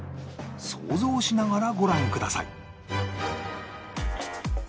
想像しながらご覧ください